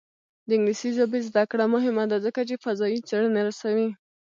د انګلیسي ژبې زده کړه مهمه ده ځکه چې فضايي څېړنې رسوي.